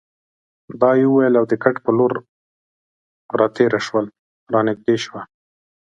دا یې وویل او د کټ په لور راتېره شول، را نږدې شوه.